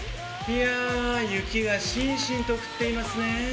雪がしんしんと降っていますね。